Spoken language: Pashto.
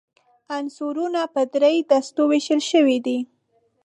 عنصرونه په درې دستو ویشل شوي دي.